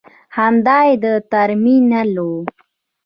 همدا یې ترمینل و.